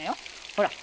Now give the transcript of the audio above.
ほら。